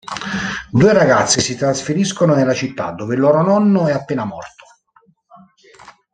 Due ragazzi si trasferiscono nella città dove il loro nonno è appena morto.